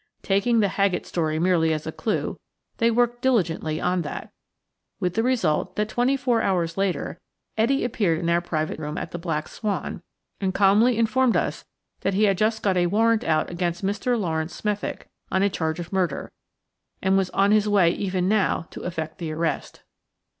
Taking the Haggett story merely as a clue, they worked diligently on that, with the result that twenty four hours later Etty appeared in our private room at the "Black Swan" and calmly informed us that he had just got a warrant out against Mr. Laurence Smethick on a charge of murder, and was on his way even now to effect the arrest.